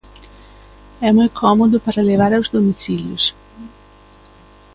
É moi cómodo para levar aos domicilios.